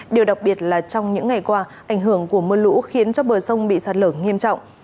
điều đặc biệt là trong những ngày qua ảnh hưởng của mưa lũ khiến cho bờ sông bị sạt lở nghiêm trọng